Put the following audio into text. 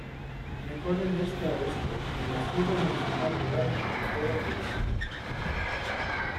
Recorre de este a oeste, en el ejido municipal rural de Comodoro Rivadavia.